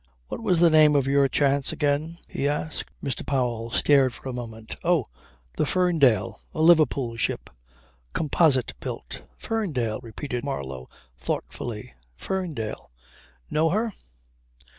"What was the name of your chance again?" he asked. Mr. Powell stared for a moment. "Oh! The Ferndale. A Liverpool ship. Composite built." "Ferndale," repeated Marlow thoughtfully. "Ferndale." "Know her?"